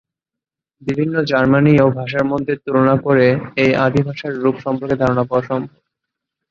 বিভিন্ন জার্মানীয় ভাষার মধ্যে তুলনা করে এই আদি ভাষার রূপ সম্পর্কে ধারণা পাওয়া সম্ভব।